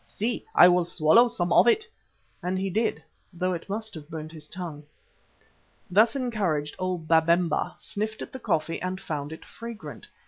See, I will swallow some of it," and he did, though it must have burnt his tongue. Thus encouraged, old Babemba sniffed at the coffee and found it fragrant.